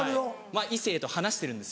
まぁ異性と話してるんですよ。